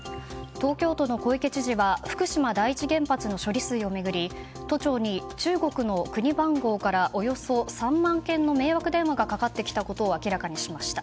東京都の小池知事は福島第一原発の処理水を巡り都庁に中国の国番号からおよそ３万件の迷惑電話がかかってきたことを明らかにしました。